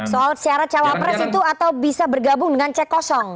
soal syarat cawapres itu atau bisa bergabung dengan cek kosong